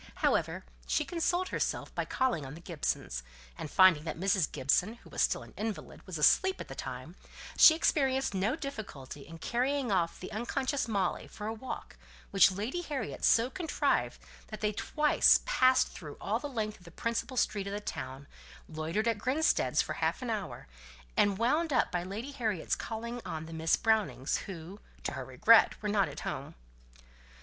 However, she consoled herself by calling on the Gibsons; and, finding that Mrs. Gibson (who was still an invalid) was asleep at the time, she experienced no difficulty in carrying off the unconscious Molly for a walk, which Lady Harriet so contrived that they twice passed through all the length of the principal street of the town, loitered at Grinstead's for half an hour, and wound up by Lady Harriet's calling on the Miss Brownings, who, to her regret, were not at home.